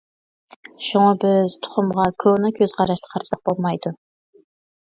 شۇڭا بىز تۇخۇمغا كونا كۆز قاراشتا قارىساق بولمايدۇ.